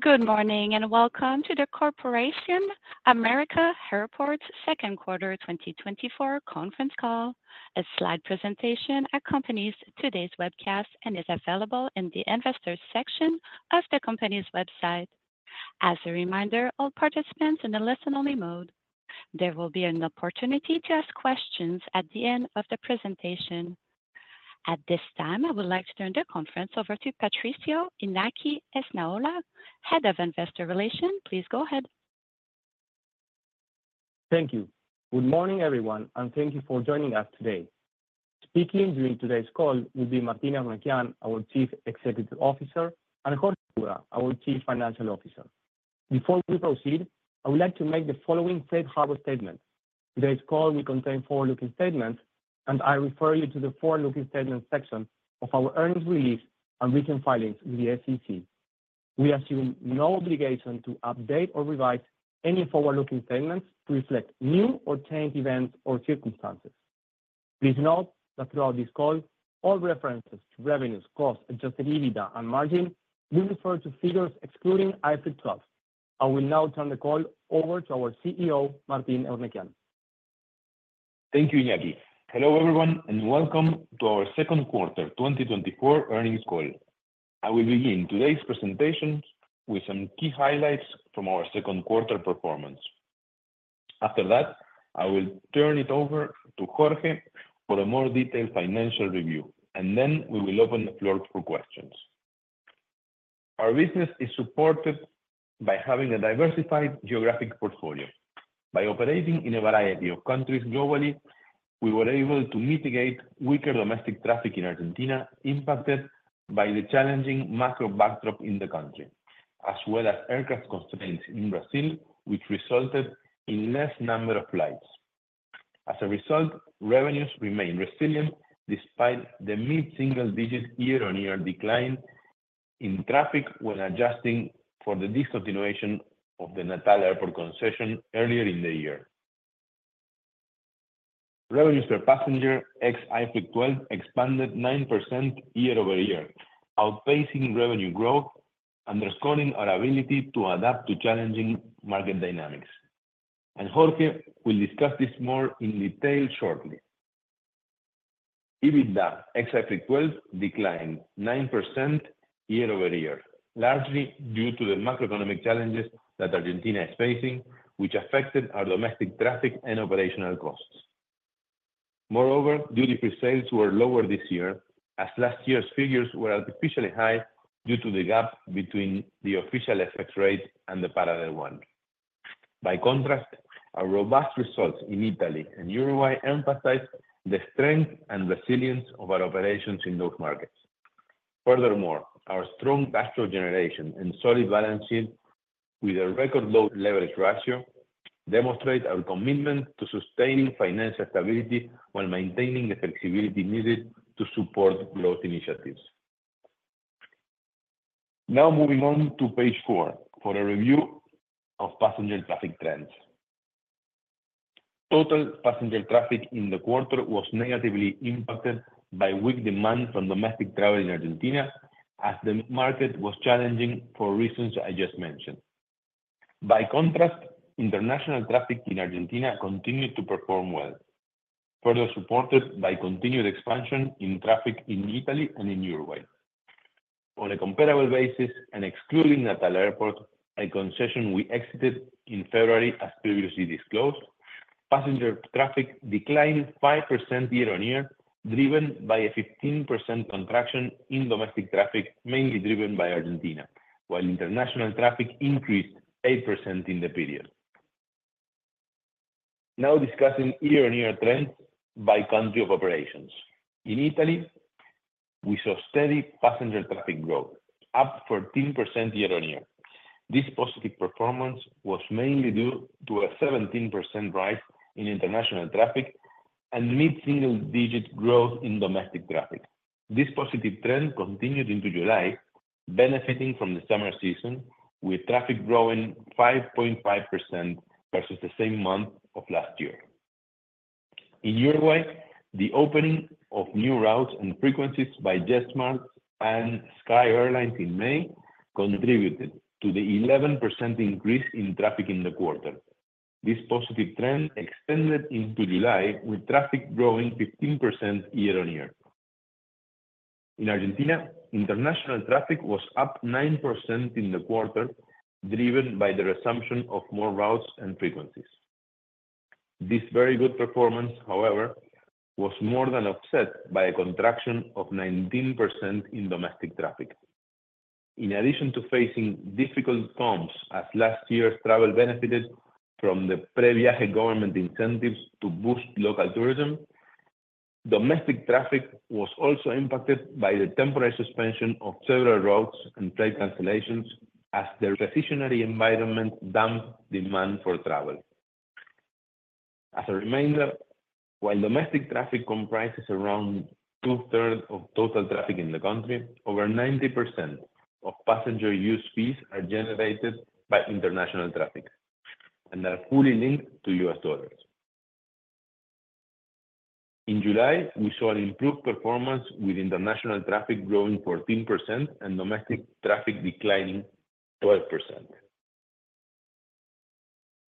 Good morning, and welcome to the Corporación América Airports second quarter 2024 conference call. A Slide presentation accompanies today's webcast and is available in the Investors section of the company's website. As a reminder, all participants are in a listen-only mode. There will be an opportunity to ask questions at the end of the presentation. At this time, I would like to turn the conference over to Patricio Iñaki Esnaola, Head of Investor Relations. Please go ahead. Thank you. Good morning, everyone, and thank you for joining us today. Speaking during today's call will be Martín Eurnekian, our Chief Executive Officer, and Jorge, our Chief Financial Officer. Before we proceed, I would like to make the following safe harbor statement: Today's call will contain forward-looking statements, and I refer you to the forward-looking statement section of our earnings release and recent filings with the SEC. We assume no obligation to update or revise any forward-looking statements to reflect new or changed events or circumstances. Please note that throughout this call, all references to revenues, costs, Adjusted EBITDA and margin will refer to figures excluding IFRIC 12. I will now turn the call over to our CEO, Martín Eurnekian. Thank you, Iñaki. Hello, everyone, and welcome to our second quarter 2024 earnings call. I will begin today's presentation with some key highlights from our second quarter performance. After that, I will turn it over to Jorge for a more detailed financial review, and then we will open the floor for questions. Our business is supported by having a diversified geographic portfolio. By operating in a variety of countries globally, we were able to mitigate weaker domestic traffic in Argentina, impacted by the challenging macro backdrop in the country, as well as aircraft constraints in Brazil, which resulted in less number of flights. As a result, revenues remain resilient despite the mid-single-digit year-on-year decline in traffic when adjusting for the discontinuation of the Natal Airport concession earlier in the year. Revenues per passenger ex IFRIC 12 expanded 9% year over year, outpacing revenue growth, underscoring our ability to adapt to challenging market dynamics, and Jorge will discuss this more in detail shortly. EBITDA ex IFRIC 12 declined 9% year over year, largely due to the macroeconomic challenges that Argentina is facing, which affected our domestic traffic and operational costs. Moreover, duty-free sales were lower this year, as last year's figures were artificially high due to the gap between the official FX rate and the parallel one. By contrast, our robust results in Italy and Uruguay emphasize the strength and resilience of our operations in those markets. Furthermore, our strong cash flow generation and solid balance sheet, with a record low leverage ratio, demonstrate our commitment to sustaining financial stability while maintaining the flexibility needed to support growth initiatives. Now, moving on to page four for a review of passenger traffic trends. Total passenger traffic in the quarter was negatively impacted by weak demand from domestic travel in Argentina, as the market was challenging for reasons I just mentioned. By contrast, international traffic in Argentina continued to perform well, further supported by continued expansion in traffic in Italy and in Uruguay. On a comparable basis, and excluding Natal Airport, a concession we exited in February, as previously disclosed, passenger traffic declined 5% year-on-year, driven by a 15% contraction in domestic traffic, mainly driven by Argentina, while international traffic increased 8% in the period. Now discussing year-on-year trends by country of operations. In Italy, we saw steady passenger traffic growth, up 13% year-on-year. This positive performance was mainly due to a 17% rise in international traffic and mid-single digit growth in domestic traffic. This positive trend continued into July, benefiting from the summer season, with traffic growing 5.5% versus the same month of last year. In Uruguay, the opening of new routes and frequencies by JetSMART and Sky Airline in May contributed to the 11% increase in traffic in the quarter. This positive trend extended into July, with traffic growing 15% year-on-year. In Argentina, international traffic was up 9% in the quarter, driven by the resumption of more routes and frequencies. This very good performance, however, was more than offset by a contraction of 19% in domestic traffic. In addition to facing difficult comps, as last year's travel benefited from the PreViaje government incentives to boost local tourism, domestic traffic was also impacted by the temporary suspension of several routes and flight cancellations as the recessionary environment damped demand for travel. As a reminder, while domestic traffic comprises around two-thirds of total traffic in the country, over 90% of passenger use fees are generated by international traffic and are fully linked to U.S. dollars. In July, we saw an improved performance with international traffic growing 14% and domestic traffic declining 12%.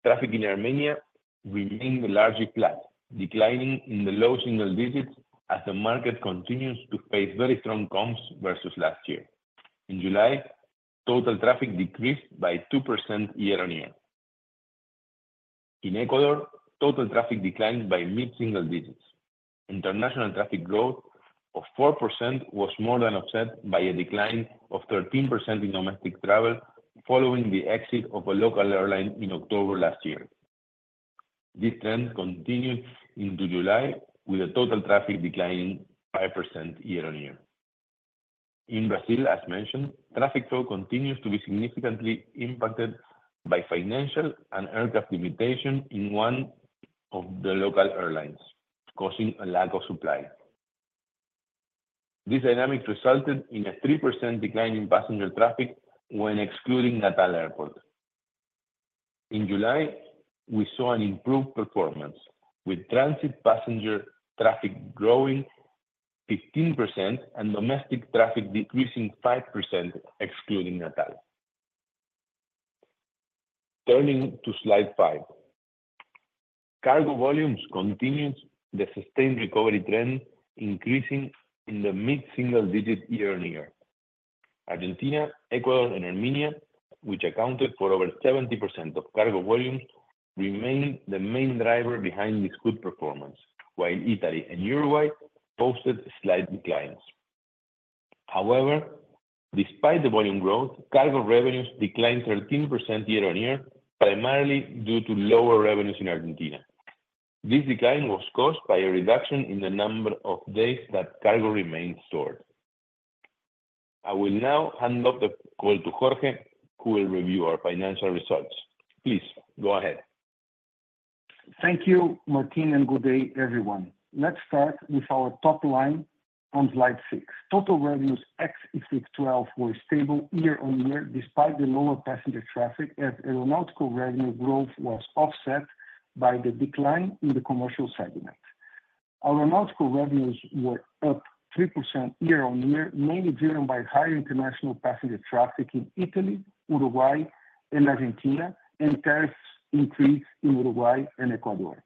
Traffic in Armenia remained largely flat, declining in the low single digits as the market continues to face very strong comps versus last year. In July, total traffic decreased by 2% year-on-year. In Ecuador, total traffic declined by mid-single digits. International traffic growth of 4% was more than offset by a decline of 13% in domestic travel, following the exit of a local airline in October last year. This trend continued into July, with the total traffic declining 5% year-on-year. In Brazil, as mentioned, traffic flow continues to be significantly impacted by financial and aircraft limitation in one of the local airlines, causing a lack of supply. These dynamics resulted in a 3% decline in passenger traffic when excluding Natal Airport. In July, we saw an improved performance, with transit passenger traffic growing 15% and domestic traffic decreasing 5%, excluding Natal. Turning to Slide 5. Cargo volumes continues the sustained recovery trend, increasing in the mid-single digit year-on-year. Argentina, Ecuador, and Armenia, which accounted for over 70% of cargo volumes, remained the main driver behind this good performance, while Italy and Uruguay posted slight declines. However, despite the volume growth, cargo revenues declined 13% year-on-year, primarily due to lower revenues in Argentina. This decline was caused by a reduction in the number of days that cargo remained stored. I will now hand off the call to Jorge, who will review our financial results. Please go ahead. Thank you, Martín, and good day, everyone. Let's start with our top line on Slide 6. Total revenues ex-IFRIC 12 were stable year-on-year, despite the lower passenger traffic, as aeronautical revenue growth was offset by the decline in the commercial segment. Our aeronautical revenues were up 3% year-on-year, mainly driven by higher international passenger traffic in Italy, Uruguay, and Argentina, and tariffs increase in Uruguay and Ecuador.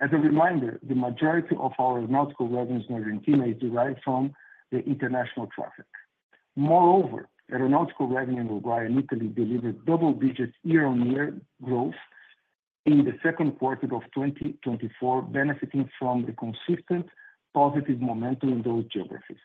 As a reminder, the majority of our aeronautical revenues in Argentina is derived from the international traffic. Moreover, aeronautical revenue in Uruguay and Italy delivered double digits year-on-year growth in the second quarter of 2024, benefiting from the consistent positive momentum in those geographies.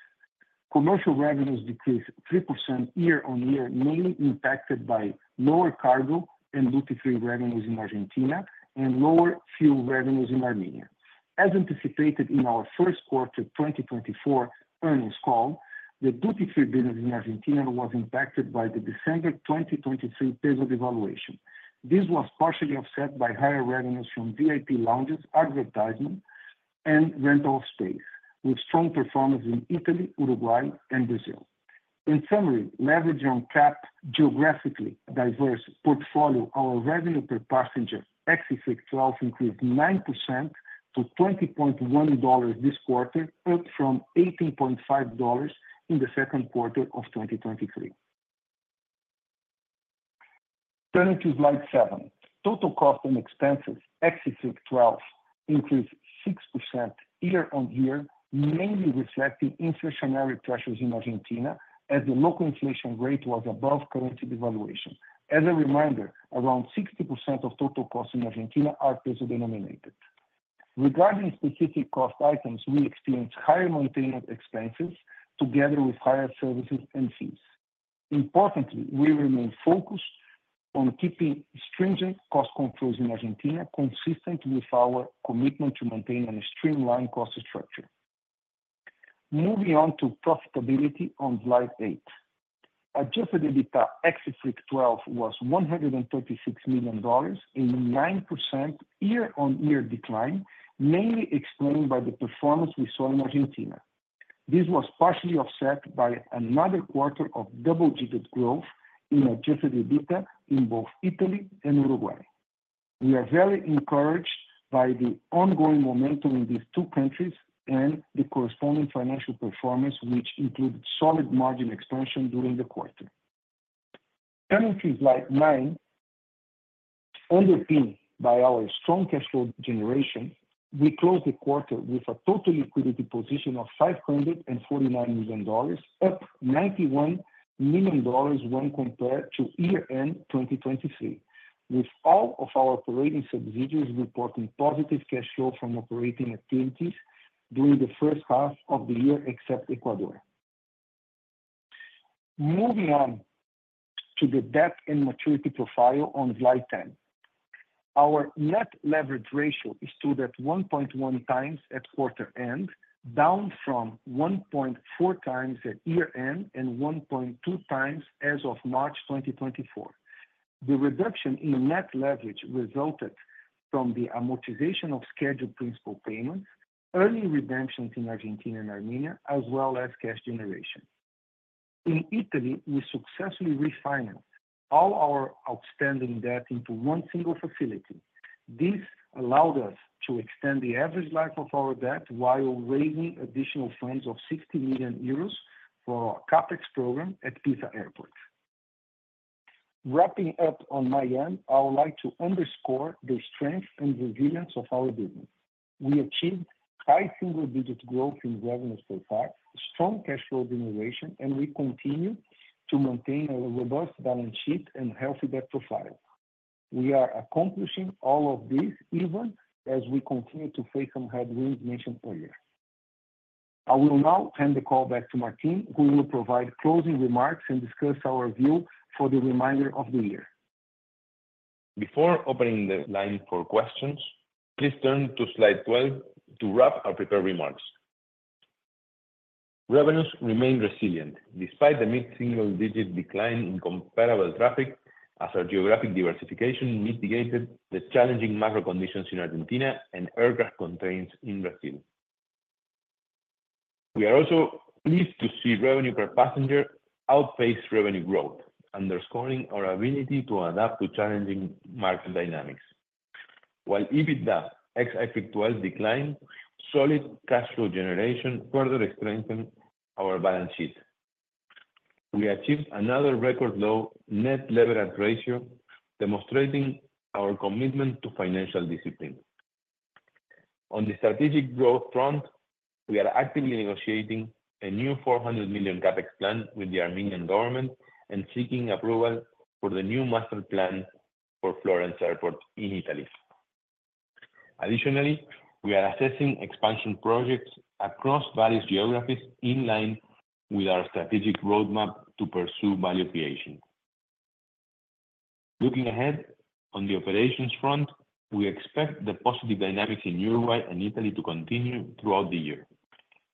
Commercial revenues decreased 3% year-on-year, mainly impacted by lower cargo and duty-free revenues in Argentina and lower fuel revenues in Armenia. As anticipated in our first quarter 2024 earnings call, the duty-free business in Argentina was impacted by the December 2023 peso devaluation. This was partially offset by higher revenues from VIP lounges, advertising, andrental space, with strong performance in Italy, Uruguay, and Brazil. In summary, leveraging CAAP geographically diverse portfolio, our revenue per passenger, ex-IFRIC 12, increased 9% to $20.1 this quarter, up from $18.5 in the second quarter of 2023. Turning to Slide 7. Total costs and expenses, ex-IFRIC 12, increased 6% year-on-year, mainly reflecting inflationary pressures in Argentina, as the local inflation rate was above currency devaluation. As a reminder, around 60% of total costs in Argentina are peso-denominated. Regarding specific cost items, we experienced higher maintenance expenses together with higher services and fees. Importantly, we remain focused on keeping stringent cost controls in Argentina, consistent with our commitment to maintain a streamlined cost structure. Moving on to profitability on Slide 8. Adjusted EBITDA, ex-IFRIC 12, was $136 million, a 9% year-on-year decline, mainly explained by the performance we saw in Argentina. This was partially offset by another quarter of double-digit growth in adjusted EBITDA in both Italy and Uruguay. We are very encouraged by the ongoing momentum in these two countries and the corresponding financial performance, which includes solid margin expansion during the quarter. Turning to Slide 9, underpinned by our strong cash flow generation, we closed the quarter with a total liquidity position of $549 million, up $91 million when compared to year-end 2023, with all of our operating subsidiaries reporting positive cash flow from operating activities during the first half of the year, except Ecuador. Moving on to the debt and maturity profile on Slide 10. Our net leverage ratio stood at 1.1 times at quarter end, down from 1.4 times at year-end and 1.2 times as of March 2024. The reduction in net leverage resulted from the amortization of scheduled principal payments, early redemptions in Argentina and Armenia, as well as cash generation. In Italy, we successfully refinanced all our outstanding debt into one single facility. This allowed us to extend the average life of our debt while raising additional funds of 60 million euros for our CapEx program at Pisa Airport. Wrapping up on my end, I would like to underscore the strength and resilience of our business. We achieved high single-digit growth in revenues so far, strong cash flow generation, and we continue to maintain a robust balance sheet and healthy debt profile. We are accomplishing all of this even as we continue to face some headwinds mentioned earlier. I will now hand the call back to Martin, who will provide closing remarks and discuss our view for the remainder of the year. Before opening the line for questions, please turn to Slide 12 to wrap our prepared remarks. Revenues remained resilient despite the mid-single-digit decline in comparable traffic, as our geographic diversification mitigated the challenging macro conditions in Argentina and aircraft constraints in Brazil. We are also pleased to see revenue per passenger outpace revenue growth, underscoring our ability to adapt to challenging market dynamics. While EBITDA ex-IFRIC 12 declined, solid cash flow generation further strengthened our balance sheet. We achieved another record-low net leverage ratio, demonstrating our commitment to financial discipline. On the strategic growth front, we are actively negotiating a new $400 million CapEx plan with the Armenian government and seeking approval for the new master plan for Florence Airport in Italy. Additionally, we are assessing expansion projects across various geographies, in line with our strategic roadmap to pursue value creation. Looking ahead, on the operations front, we expect the positive dynamics in Uruguay and Italy to continue throughout the year.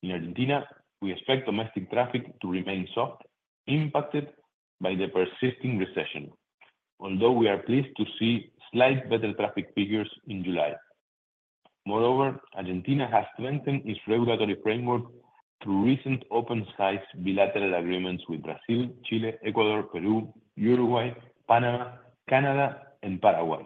In Argentina, we expect domestic traffic to remain soft, impacted by the persisting recession, although we are pleased to see slight better traffic figures in July. Moreover, Argentina has strengthened its regulatory framework through recent open skies bilateral agreements with Brazil, Chile, Ecuador, Peru, Uruguay, Panama, Canada, and Paraguay.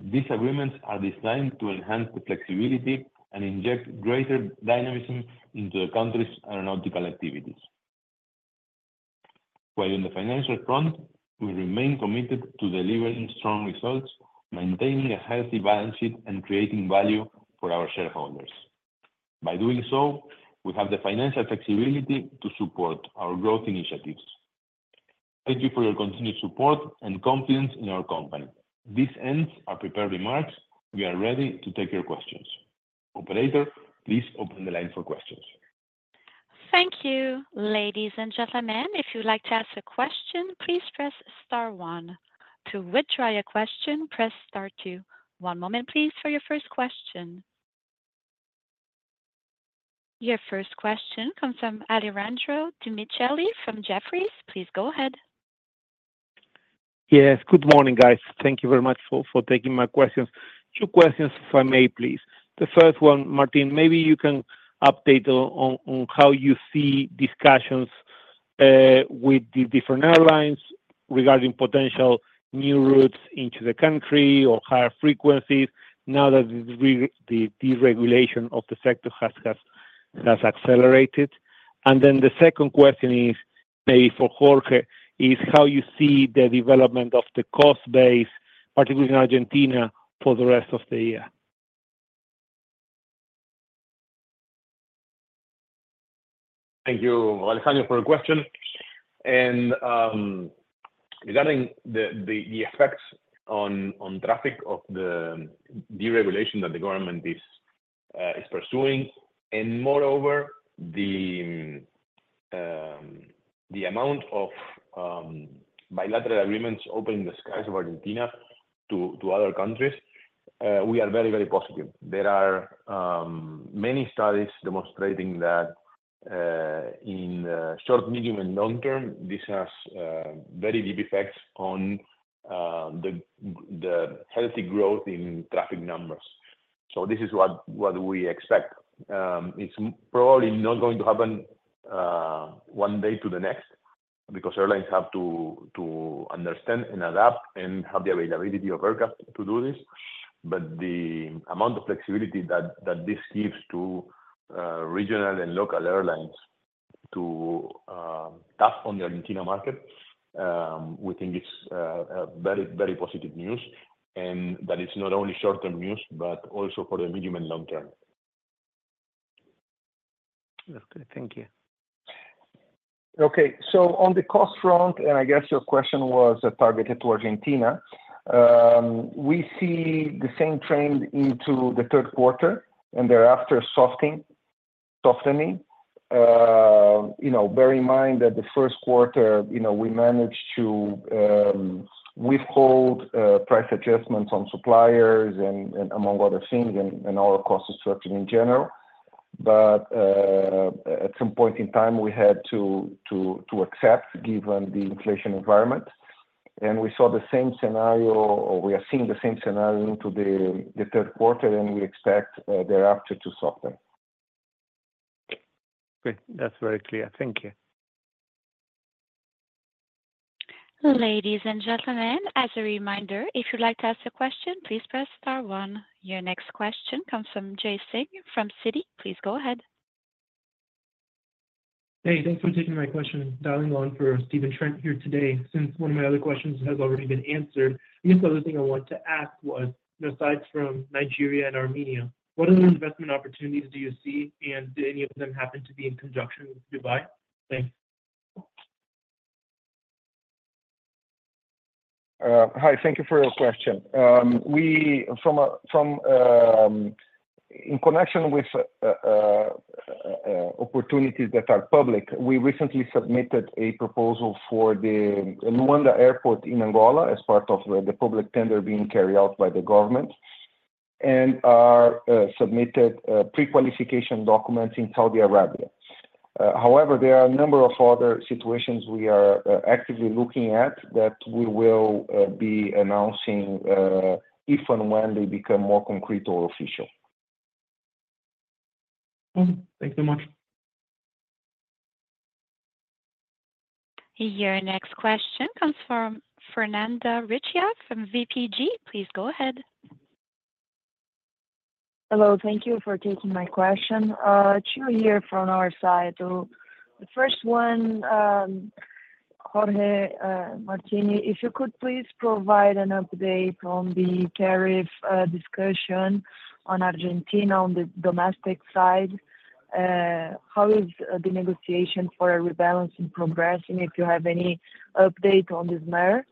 These agreements are designed to enhance the flexibility and inject greater dynamism into the country's aeronautical activities. While on the financial front, we remain committed to delivering strong results, maintaining a healthy balance sheet, and creating value for our shareholders. By doing so, we have the financial flexibility to support our growth initiatives. Thank you for your continued support and confidence in our company. This ends our prepared remarks. We are ready to take your questions. Operator, please open the line for questions. Thank you. Ladies and gentlemen, if you'd like to ask a question, please press star one. To withdraw your question, press star two. One moment, please, for your first question. Your first question comes from Alejandro Demichelis from Jefferies. Please go ahead. Yes, good morning, guys. Thank you very much for taking my questions. Two questions, if I may please. The first one, Martin, maybe you can update on how you see discussions with the different airlines regarding potential new routes into the country or higher frequencies now that the deregulation of the sector has accelerated. And then the second question is maybe for Jorge, is how you see the development of the cost base, particularly in Argentina, for the rest of the year? Thank you, Alejandro, for your question. And, regarding the effects on traffic of the deregulation that the government is pursuing, and moreover, the amount of bilateral agreements opening the skies of Argentina to other countries, we are very, very positive. There are many studies demonstrating that in short, medium, and long term, this has very deep effects on the healthy growth in traffic numbers. So this is what we expect. It's probably not going to happen one day to the next, because airlines have to understand and adapt and have the availability of aircraft to do this. But the amount of flexibility that this gives to regional and local airlines to tap on the Argentina market, we think it's a very, very positive news, and that it's not only short-term news, but also for the medium and long term. Okay, thank you. Okay, so on the cost front, and I guess your question was targeted to Argentina, we see the same trend into the third quarter and thereafter softening. You know, bear in mind that the first quarter, you know, we managed to withhold price adjustments on suppliers and among other things, and our cost structure in general. But at some point in time, we had to accept, given the inflation environment.... and we saw the same scenario, or we are seeing the same scenario into the third quarter, and we expect thereafter to soften. Great. That's very clear. Thank you. Ladies and gentlemen, as a reminder, if you'd like to ask a question, please press star one. Your next question comes from Jay Singh from Citi. Please go ahead. Hey, thanks for taking my question. Dialing on for Stephen Trent here today. Since one of my other questions has already been answered, I guess the other thing I wanted to ask was, besides from Nigeria and Armenia, what other investment opportunities do you see, and do any of them happen to be in conjunction with Dubai? Thanks. Hi, thank you for your question. In connection with opportunities that are public, we recently submitted a proposal for the Luanda Airport in Angola as part of the public tender being carried out by the government, and submitted pre-qualification documents in Saudi Arabia. However, there are a number of other situations we are actively looking at that we will be announcing if and when they become more concrete or official. Thank you very much. Your next question comes from Fernanda Recio from BTG Pactual. Please go ahead. Hello, thank you for taking my question. Two here from our side. So the first one, Jorge, Martín, if you could please provide an update on the tariff discussion on Argentina on the domestic side. How is the negotiation for a rebalance progressing, if you have any update on this matter?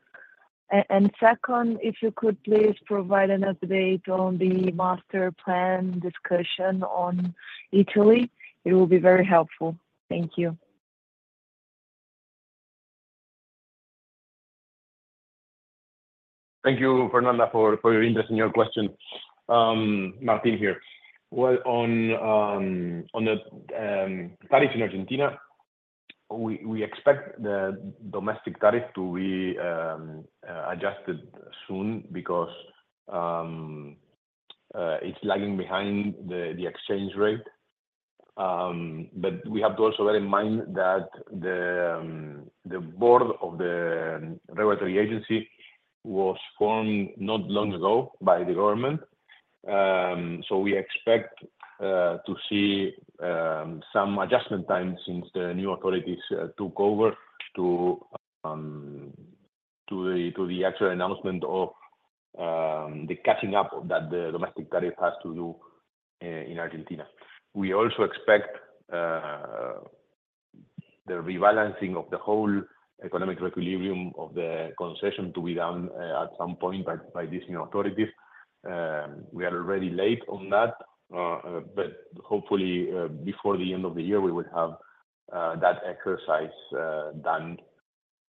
And second, if you could please provide an update on the Master Plan discussion on Italy, it will be very helpful. Thank you. Thank you, Fernanda, for your interest and your question. Martin here. Well, on the tariff in Argentina, we expect the domestic tariff to be adjusted soon because it's lagging behind the exchange rate, but we have to also bear in mind that the board of the regulatory agency was formed not long ago by the government, so we expect to see some adjustment time since the new authorities took over to the actual announcement of the catching up that the domestic tariff has to do in Argentina. We also expect the rebalancing of the whole economic equilibrium of the concession to be done at some point by these new authorities. We are already late on that, but hopefully, before the end of the year, we will have that exercise done.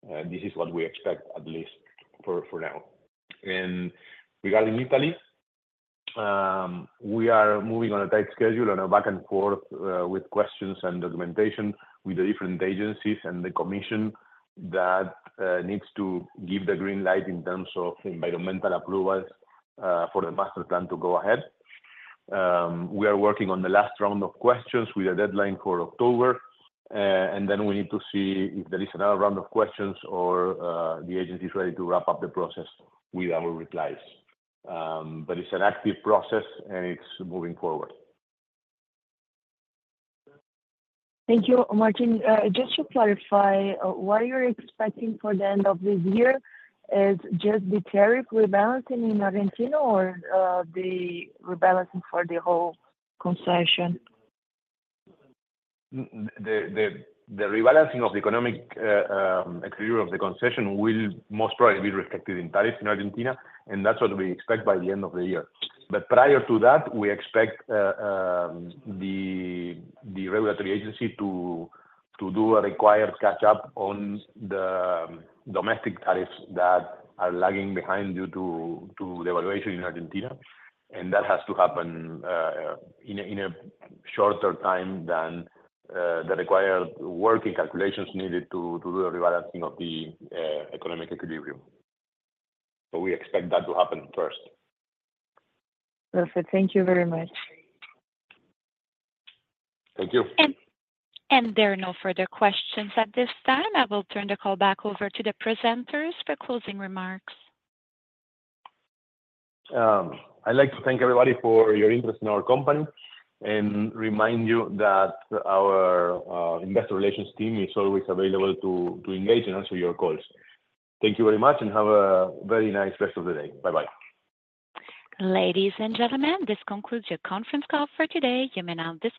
This is what we expect, at least for now. And regarding Italy, we are moving on a tight schedule, on a back and forth with questions and documentation with the different agencies and the commission that needs to give the green light in terms of environmental approvals for the Master Plan to go ahead. We are working on the last round of questions with a deadline for October, and then we need to see if there is another round of questions or the agency is ready to wrap up the process with our replies. But it's an active process, and it's moving forward. Thank you, Martin. Just to clarify, what you're expecting for the end of this year is just the tariff rebalancing in Argentina or, the rebalancing for the whole concession? The rebalancing of the economic equilibrium of the concession will most probably be reflected in tariffs in Argentina, and that's what we expect by the end of the year. But prior to that, we expect the regulatory agency to do a required catch-up on the domestic tariffs that are lagging behind due to the evaluation in Argentina, and that has to happen in a shorter time than the required working calculations needed to do a rebalancing of the economic equilibrium. So we expect that to happen first. Perfect. Thank you very much. Thank you. There are no further questions at this time. I will turn the call back over to the presenters for closing remarks. I'd like to thank everybody for your interest in our company and remind you that our investor relations team is always available to engage and answer your calls. Thank you very much, and have a very nice rest of the day. Bye-bye. Ladies and gentlemen, this concludes your conference call for today. You may now disconnect.